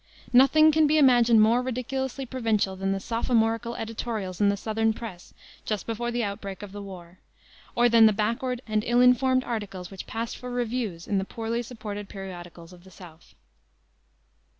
Nothing can be imagined more ridiculously provincial than the sophomorical editorials in the southern press just before the outbreak of the war, or than the backward and ill informed articles which passed for reviews in the poorly supported periodicals of the South.